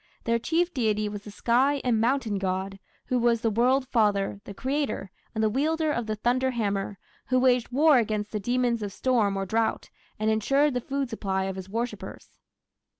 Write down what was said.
Their chief deity was the sky and mountain god, who was the "World Father", the creator, and the wielder of the thunder hammer, who waged war against the demons of storm or drought, and ensured the food supply of his worshippers.